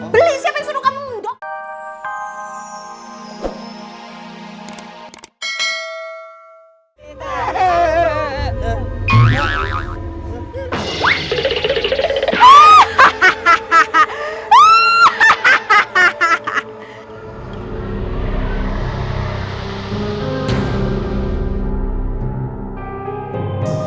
beli siapa yang suruh kamu ngedok